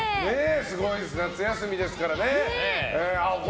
すごいですね夏休みですからね。